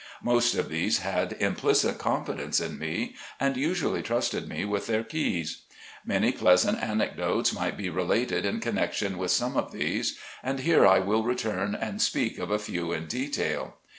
Most of these had implicit confidence in me, and usually trusted me with their keys. Many pleasant anecdotes might be related in con nection with some of these. And here I will return and speak of a few in detail.